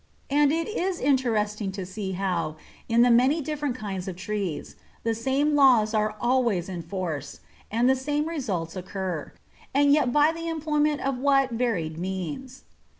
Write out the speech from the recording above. And it is interesting to see how, in the many different kinds of tree, the same laws are always in force, and the same results occur, and yet by the employment of what varied means.